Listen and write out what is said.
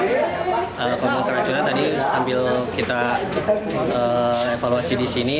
pembangunan keracunan tadi sambil kita evaluasi disini